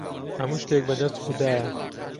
هەموو شتێک بەدەست خودایە.